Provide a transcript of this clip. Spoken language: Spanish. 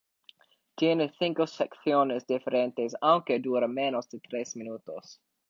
Tiene cinco secciones diferentes, aunque dura menos de tres minutos.